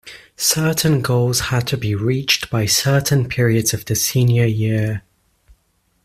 Certain goals had to be reached by certain periods of the senior year.